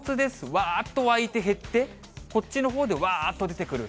わーっと湧いて減って、こっちのほうでわーっと出てくる。